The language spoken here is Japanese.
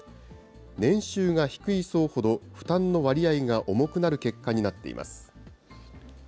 年収が低い層ほど負担の割合が重くなる結果になっています。